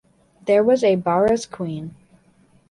There was a 'barra's queen.